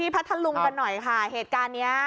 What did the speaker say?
พัทธลุงกันหน่อยค่ะเหตุการณ์นี้